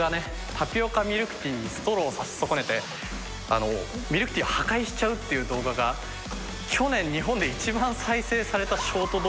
タピオカミルクティーにストローさし損ねてミルクティー破壊しちゃうっていう動画が去年日本で一番再生されたショート動画になったらしくて。